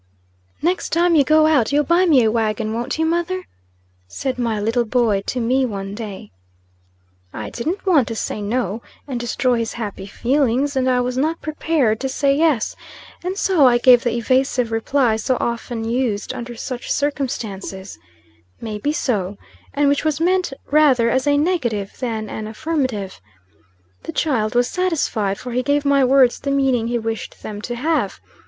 "NEXT time you go out, you'll buy me a wagon, won't you, mother?" said my little boy to me, one day. I didn't want to say "no," and destroy his happy feelings; and I was not prepared to say "yes;" and so I gave the evasive reply so often used under such circumstances, "May be so," and which was meant rather as a negative than an affirmative. The child was satisfied; for he gave my words the meaning he wished them to have.